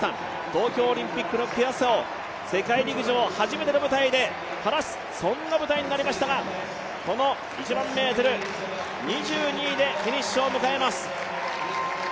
東京オリンピックの悔しさを、世界陸上、初めての舞台で晴らす、そんな舞台になりましたが、１００００ｍ２２位でフィニッシュを迎えます。